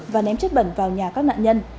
và ném chất bẩn vào nhà các nạn nhân